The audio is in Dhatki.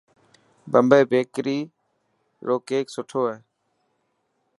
بمبي بيڪري روڪيڪ سٺو هي.